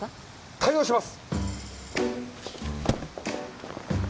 対応します！